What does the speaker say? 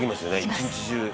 一日中」